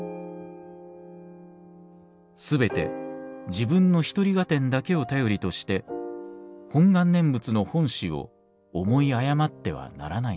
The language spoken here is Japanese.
すべて自分の一人合点だけを頼りとして本願念仏の本旨を思い誤ってはならないのです。